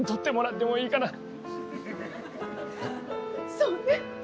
そうね。